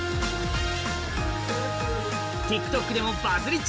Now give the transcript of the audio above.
ＴｉｋＴｏｋでもバズり中！